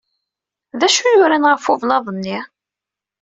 D acu yuran ɣef ublaḍ-nni?